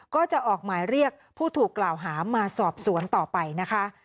ก็จะออกหมายเรียกผู้ถูกกล่าวหามาสอบสวนต่อไปนะคะ